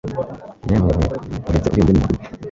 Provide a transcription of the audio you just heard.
yemwe mwe mubitse ubwenge nimuhaguruke